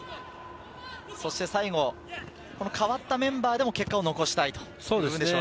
最後、代わったメンバーでも結果を残したいと。